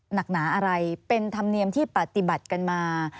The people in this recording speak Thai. หนักหนาอะไรเป็นธรรมเนียมที่ปฏิบัติกันมา